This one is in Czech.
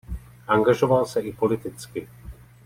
Angažoval se i politicky.